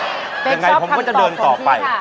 เป็นชอบคำตอบของพี่ค่ะยังไงผมก็จะเดินต่อไป